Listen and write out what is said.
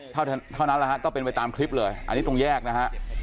เท่านั้นแหละฮะก็เป็นไปตามคลิปเลยอันนี้ตรงแยกนะฮะ